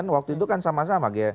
waktu itu kan sama sama